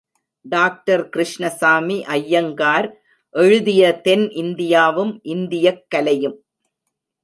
Doctor Krishnaswami Aiyangar எழுதிய தென் இந்தியாவும், இந்தியக் கலையும்.